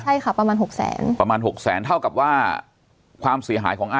ใช่ค่ะประมาณหกแสนประมาณหกแสนเท่ากับว่าความเสียหายของอา